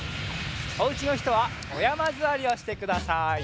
おうちのひとはおやまずわりをしてください。